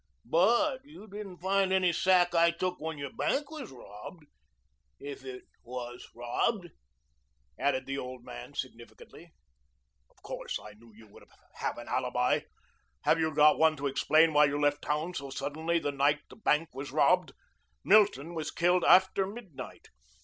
But you didn't find any sack I took when your bank was robbed if it was robbed," added the old man significantly. "Of course, I knew you would have an alibi. Have you got one to explain why you left town so suddenly the night the bank was robbed? Milton was killed after midnight.